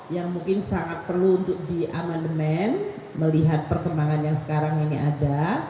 yang mungkin sangat perlu untuk diamandemen melihat perkembangan yang sekarang ini ada